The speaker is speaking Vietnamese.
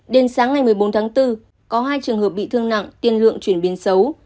đến sáng ngày một mươi bốn tháng bốn có hai trường hợp bị thương nặng tiền lượng chuyển biến xấu